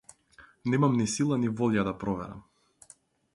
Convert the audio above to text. Немам ни сила ни волја да проверам.